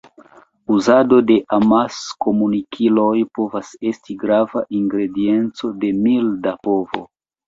Uzado de amaskomunikiloj povas esti grava ingredienco de milda povo.